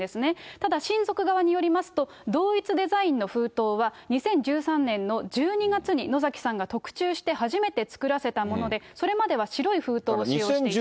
ただ、親族側によりますと、同一デザインの封筒は２０１３年の１２月に野崎さんが特注して初めて作らせたもので、それまでは白い封筒を使用していたと。